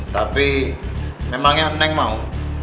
tapi memangnya neng mau